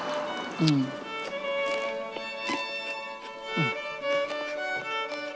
うん。